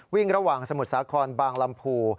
วิ่งระหว่างสมุทรสาครบางลำพู